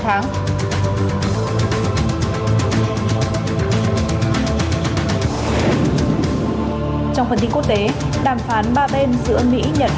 trong phần tin quốc tế đàm phán ba bên giữa mỹ nhật hàn về vấn đề hạt nhân triều tiên